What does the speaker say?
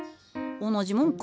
同じもんか？